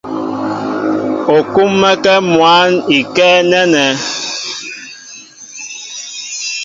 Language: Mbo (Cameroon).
U kúm̀mɛ́kɛ́ mwǎn ikɛ́ nɛ́nɛ.